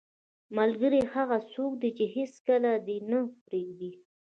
ملګری هغه څوک دی چې هیڅکله دې نه پرېږدي.